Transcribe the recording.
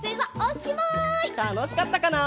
たのしかったかな？